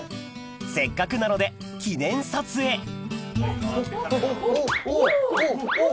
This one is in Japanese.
せっかくなので記念撮影おっおっ。